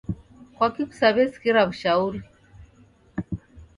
Kwaki kusaw'esikira w'ushauri?